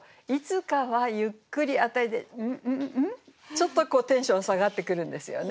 ちょっとテンション下がってくるんですよね。